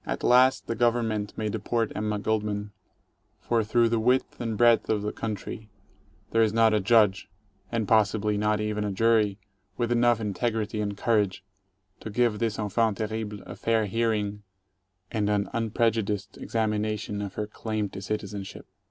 At last the Government may deport Emma Goldman, for through the width and breadth of the country there is not a Judge — and possibly not even a jury — with enough integrity and courage to give this enfant terrible a fair hearing and an unprejudiced examination of her claim to citizenship.